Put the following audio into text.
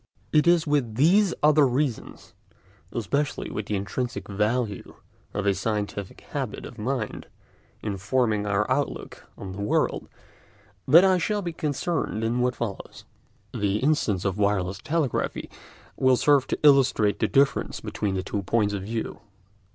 It is with these other reasons, especially with the intrinsic value of a scientific habit of mind in forming our outlook on the world, that I shall be concerned in what follows. The instance of wireless telegraphy will serve to illustrate the difference between the two points of view.